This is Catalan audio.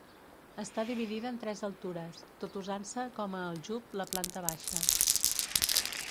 Està dividida en tres altures, tot usant-se com a aljub la planta baixa.